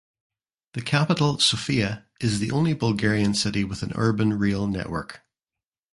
The capital Sofia is the only Bulgarian city with an urban rail network.